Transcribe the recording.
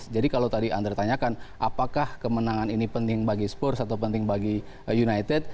jadi kalau tadi anda tanyakan apakah kemenangan ini penting bagi spurs atau penting bagi united